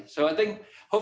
jadi saya pikir